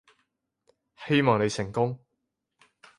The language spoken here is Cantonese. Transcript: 希望你成功